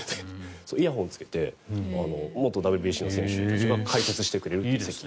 イヤホンをつけて元ＷＢＣの選手たちが解説してくれる席。